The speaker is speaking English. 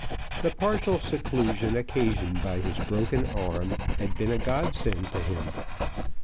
The partial seclusion occasioned by his broken arm had been a godsend to him.